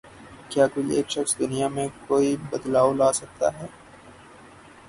کیا کوئی ایک شخص دنیا میں کوئی بدلاؤ لا سکتا ہے